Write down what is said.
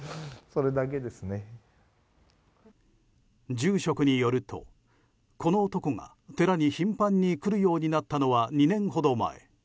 住職によると、この男が寺に頻繁に来るようになったのは２年ほど前。